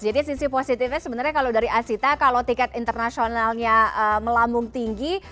jadi sisi positifnya sebenarnya kalau dari asyta kalau tiket internasionalnya melambung tinggi